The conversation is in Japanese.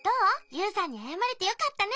ユウさんにあやまれてよかったね。